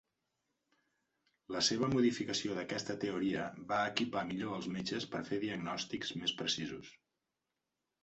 La seva modificació d'aquesta teoria va equipar millor als metges per fer diagnòstics més precisos.